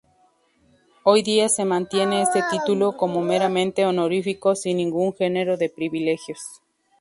Hoy día se mantiene este título como meramente honorífico sin ningún genero de privilegios.